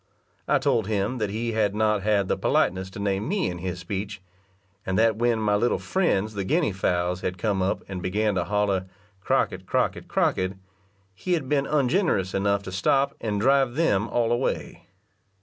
I told him that he had not had the politeness to name me in his speech, and that when my little friends, the guinea fowls, had come up and began to holler "Crockett, Crockett, Crockett," he had been ungenerous enough to stop, and drive them all away.